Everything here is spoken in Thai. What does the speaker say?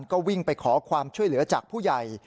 ก็วิ่งไปขอความช่วยเหลือจากผู้ใหญ่